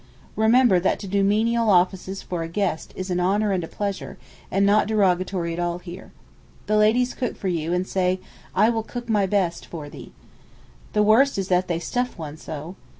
Remember that to do 'menial offices' for a guest is an honour and pleasure, and not derogatory at all here. The ladies cook for you, and say, 'I will cook my best for thee.' The worst is that they stuff one so.